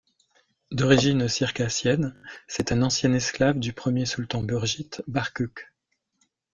D'origine circassienne, c'est un ancien esclave du premier sultan burjite, Barquq.